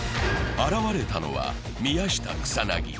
現れたのは宮下草薙。